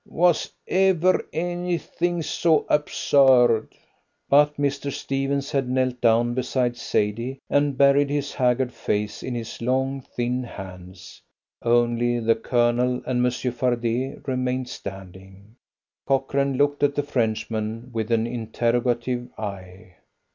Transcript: Was ever anything so absurd?" But Mr. Stephens had knelt down beside Sadie and buried his haggard face in his long, thin hands. Only the Colonel and Monsieur Fardet remained standing. Cochrane looked at the Frenchman with an interrogative eye.